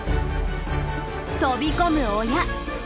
飛び込む親。